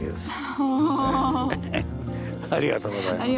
ありがとうございます。